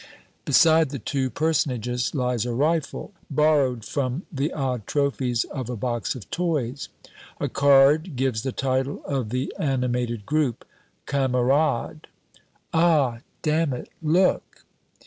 Beside the two personages lies a rifle barrowed from the odd trophies of a box of toys. A card gives the title of the animated group "Kamarad!" "Ah, damn it, look!"